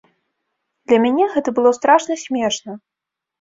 Для мяне гэта было страшна смешна!